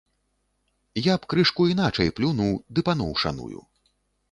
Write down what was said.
Я б крышку іначай плюнуў, ды паноў шаную.